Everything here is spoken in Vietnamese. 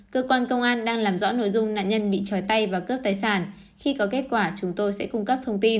cơ quan công an đang làm rõ nội dung nạn nhân bị trói tay và cướp tài sản khi có kết quả chúng tôi sẽ cung cấp thông tin